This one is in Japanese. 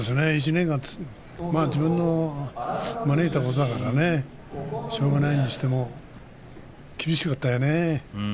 １年間ずっと自分が招いたことだからね、しょうがないにしても厳しかったよね。